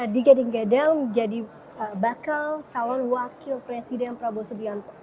di gading gadang jadi bakal calon wakil presiden prabowo sedianto